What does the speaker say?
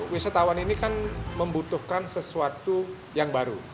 wisatawan ini kan membutuhkan sesuatu yang baru